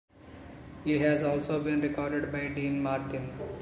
It has also been recorded by Dean Martin.